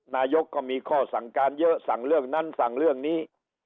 นายกก็มีข้อสั่งการเยอะสั่งเรื่องนั้นสั่งเรื่องนี้